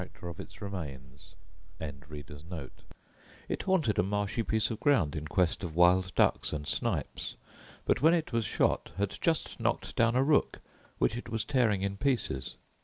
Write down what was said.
It haunted a marshy piece of ground in quest of wild ducks and snipes: but, when it was shot, had just knocked down a rook, which it was tearing in pieces.